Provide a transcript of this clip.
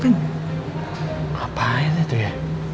ngapain ya tuh ya